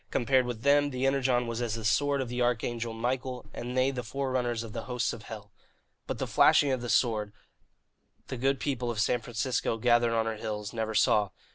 Compared with them, the Energon was as the sword of the arch angel Michael, and they the forerunners of the hosts of hell. But the flashing of the sword, the good people of San Francisco, gathered on her hills, never saw.